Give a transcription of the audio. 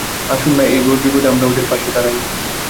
আসুন না, এই ঘোর বিপদে আমরা ওদের পাশে দাঁড়াই।